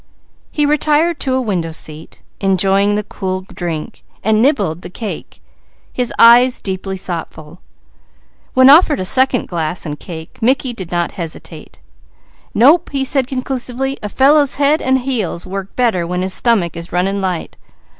He retired to a window seat, enjoyed the cool drink and nibbled the cake, his eyes deeply thoughtful. When offered a second glass Mickey did not hesitate. "Nope!" he said conclusively. "A fellow's head and heels work better when his stomach is running light.